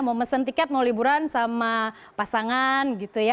mau mesen tiket mau liburan sama pasangan gitu ya